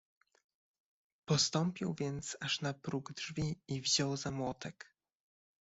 "Postąpił więc aż na próg drzwi i wziął za młotek."